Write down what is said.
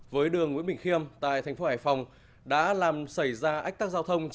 với đường nguyễn bình khiêm tại thành phố hải phòng đã làm xảy ra ách tắc giao thông